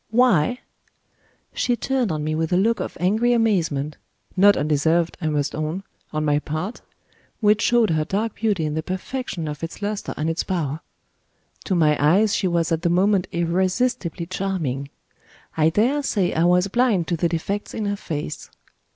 "Why?" She turned on me with a look of angry amazement not undeserved, I must own, on my part which showed her dark beauty in the perfection of its luster and its power. To my eyes she was at the moment irresistibly charming. I daresay I was blind to the defects in her face.